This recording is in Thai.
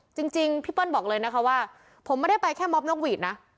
จริงพี่เปิ้ลบอกเลยนะคะว่าผมไม่ได้ไปแค่มอบนกหวีดนะ